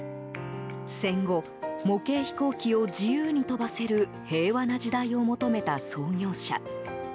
戦後、模型飛行機を自由に飛ばせる平和な時代を求めた創業者。